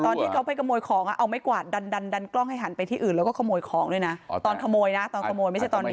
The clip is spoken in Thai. ตอนที่เขาไปขโมยของเอาไม้กวาดดันดันกล้องให้หันไปที่อื่นแล้วก็ขโมยของด้วยนะตอนขโมยนะตอนขโมยไม่ใช่ตอนนี้